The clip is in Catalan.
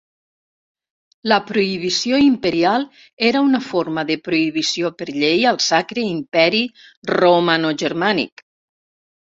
La prohibició imperial era una forma de prohibició per llei al Sacre Imperi Romanogermànic.